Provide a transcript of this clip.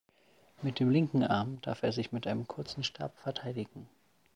Mit dem linken Arm darf er sich mit einem kurzen Stab verteidigen.